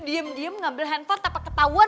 diam diam ngambil handphone tanpa ketahuan